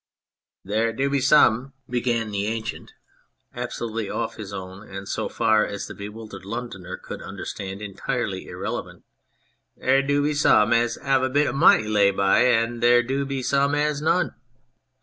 " There do be zome," began the Ancient, abso lutely off his own, and, so far as the bewildered Londoner could understand, entirely irrelevantly "there do be zome as ave a bit of money lay by, an' there do be zome as as none.